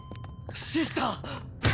シスター！